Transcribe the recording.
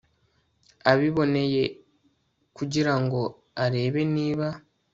abiboneye kugira ngo arebe niba